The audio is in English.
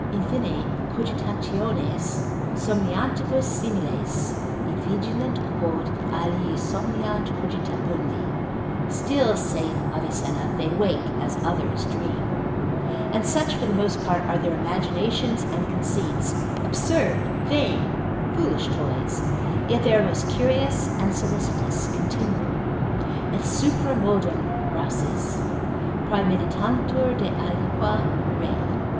In fine, cogitationes somniantibus similes, id vigilant, quod alii somniant cogitabundi, still, saith Avicenna, they wake, as others dream, and such for the most part are their imaginations and conceits, absurd, vain, foolish toys, yet they are most curious and solicitous, continual, et supra modum, Rhasis cont. lib. 1. cap. 9. praemeditantur de aliqua re.